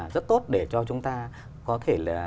rất tốt để cho chúng ta có thể